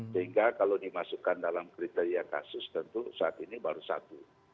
sehingga kalau dimasukkan dalam kriteria kasus tentu saat ini baru satu